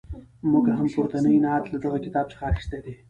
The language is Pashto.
موږ هم پورتنی نعت له دغه کتاب څخه اخیستی دی.